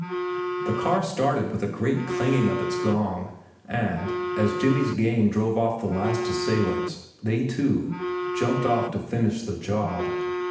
The car started with a great clanging of its gong, and, as Jimmy's gang drove off the last assailants, they, too, jumped off to finish the job.